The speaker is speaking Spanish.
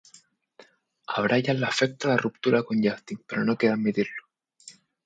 A Brian le afecta la ruptura con Justin, pero no quiere admitirlo.